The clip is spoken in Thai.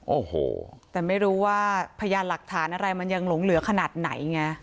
โอ้โหแต่ไม่รู้ว่าพยานหลักฐานอะไรมันยังหลงเหลือขนาดไหนไง